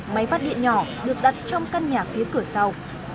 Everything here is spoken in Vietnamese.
máy phát điện nhỏ được đặt trong căn nhà phía cửa sau